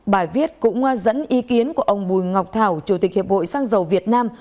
bài viết cũng dẫn ý kiến của ông bùi ngọc thảo chủ tịch hiệp hội xăng dầu việt nam